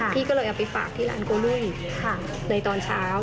พี่ก็เลยเอาไปฝากที่ร้านโกลุยในตอนเช้า